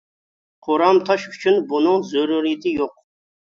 قورام تاش ئۈچۈن بۇنىڭ زۆرۈرىيىتى يوق.